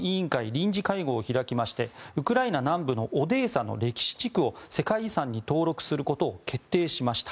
臨時会合を開きましてウクライナ南部のオデーサの歴史地区を世界遺産に登録することを決定しました。